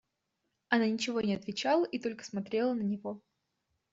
Она ничего не отвечала и только смотрела на него.